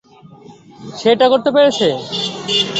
সে এটা করতে পেরেছে।